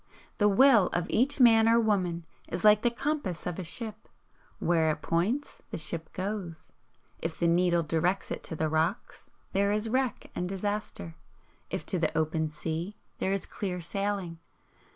The WILL of each man or woman is like the compass of a ship, where it points, the ship goes. If the needle directs it to the rocks, there is wreck and disaster, if to the open sea, there is clear sailing.